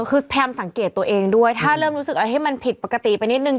คือพยายามสังเกตตัวเองด้วยถ้าเริ่มรู้สึกอะไรที่มันผิดปกติไปนิดนึง